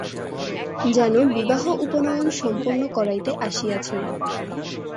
যেন বিবাহ উপনয়ন সম্পন্ন করাইতে আসিয়াছেন।